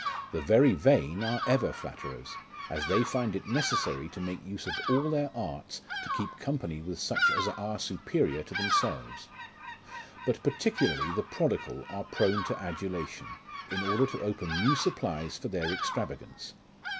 The very vain are ever flatterers ; as they find it necessary to make use of all their arts to keep company with such as are superior to themselves. But particularly the prodigal are prone to adulation, in order to open new supplies for their extravagance.